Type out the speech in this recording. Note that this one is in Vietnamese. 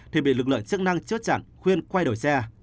thì bị lực lượng chức năng chốt chặn khuyên quay đổi xe